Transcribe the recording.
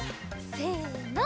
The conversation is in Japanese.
せの。